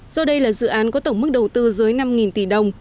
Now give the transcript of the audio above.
do đây là dự án có tổng mức đầu tư dưới năm tỷ đồng